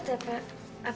gatel banget ya pak